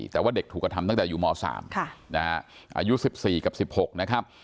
แต่ว่าเด็กถูกกระทำตั้งแต่อยู่ม๓อายุ๑๔กับ๑๖นะครับ